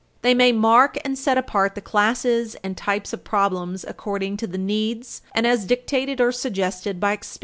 They may mark and set apart the classes and types of problems according to the needs and as dictated or suggested by experience.